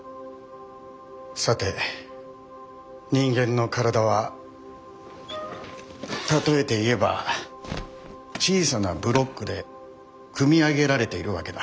さて人間の体は例えて言えば小さなブロックで組み上げられているわけだ。